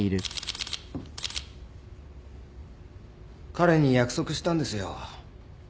・彼に約束したんですよ。